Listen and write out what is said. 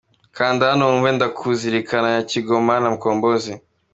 Kanda hano wumve Ndakuzirikana ya Kigoma na Mkombozi.